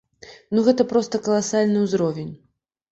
Ну гэта проста каласальны ўзровень.